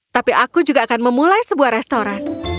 tapi aku juga akan memulai sebuah restoran